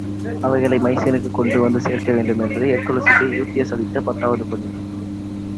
அவைகளை மைசீனுக்குக் கொண்டு வந்து சேர்க்க வேண்டும் என்பது ஹெர்க்குலிஸுக்கு யூரிஸ்தியஸ் அளித்த பத்தாவது பணி.